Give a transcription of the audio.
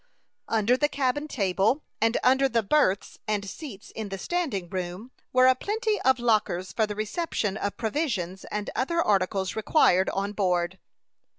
Under the cabin table, and under the berths and seats in the standing room, were a plenty of lockers for the reception of provisions and other articles required on board.